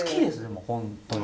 もう本当に。